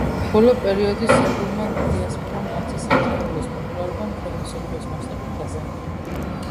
ბოლო პერიოდი სერბულმა დიასპორამ მათი სამზარეულოს პოპულარობა მთელი მსოფლიოს მასშტაბით გაზარდა.